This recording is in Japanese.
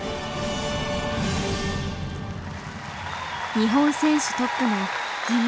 日本選手トップの銀メダル。